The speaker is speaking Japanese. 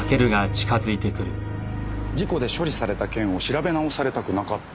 事故で処理された件を調べ直されたくなかった。